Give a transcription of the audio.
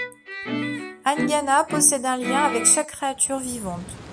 Eingana possède un lien avec chaque créature vivante.